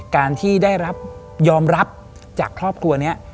การที่ได้รับยอมรับจากครอบครัวนี้